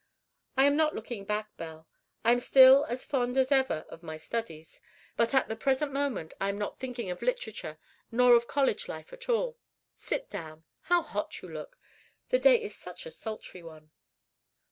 "I am not looking back, Belle. I am still as fond as ever of my studies; but at the present moment I am not thinking of literature nor of college life at all. Sit down; how hot you look! The day is such a sultry one."